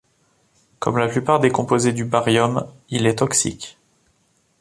Comme la plupart des composés du baryum, il est toxique.